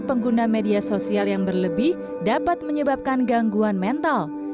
pengguna media sosial yang berlebih dapat menyebabkan gangguan mental